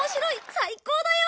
最高だよ！